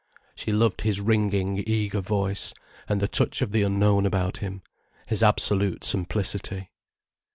She loved his ringing, eager voice, and the touch of the unknown about him, his absolute simplicity.